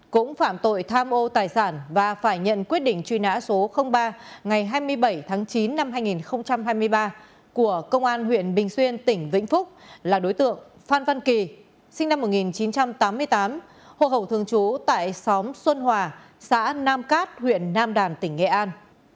cũng phạm tội tham ô tài sản và phải nhận quyết định truy nã số ba ngày hai mươi bảy tháng chín năm hai nghìn hai mươi ba của công an huyện bình xuyên tỉnh vĩnh phúc là đối tượng phan văn kỳ sinh năm một nghìn chín trăm tám mươi tám hồ hậu thường trú tại xóm xuân hòa xã nam cát huyện nam đàn tỉnh nghệ an